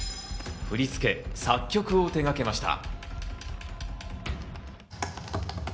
振り付け・作曲を手がけました。